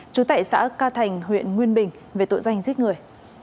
trú tại xã ca thành huyện nguyên bình về tội danh giết người